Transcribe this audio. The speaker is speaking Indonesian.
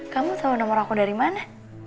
kamu tahu nomor aku dari mana